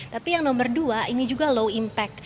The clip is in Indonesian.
tapi yang nomor dua ini juga low impact